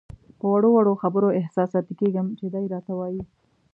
په وړو وړو خبرو احساساتي کېږم چې دی راته وایي.